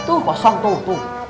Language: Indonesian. tuh pasang tuh